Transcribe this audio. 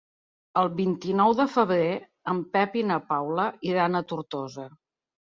El vint-i-nou de febrer en Pep i na Paula iran a Tortosa.